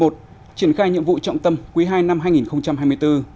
triển khai nhiệm vụ trọng tâm quý ii năm hai nghìn hai mươi bốn